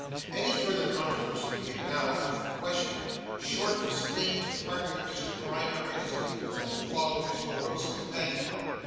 Any further controversy being now out of the question, Short was fain to part with Mr Grinder and his pupils and to follow his morose companion.